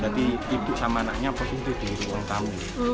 jadi ibu sama anaknya posisi di ruang tamu